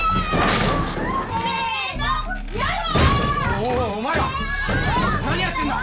おいお前ら何やってんだ！